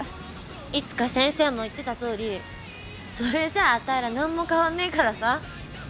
いつか先生も言ってたとおりそれじゃあたいら何も変わんねえからさ。